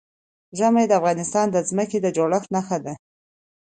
ژمی د افغانستان د ځمکې د جوړښت نښه ده.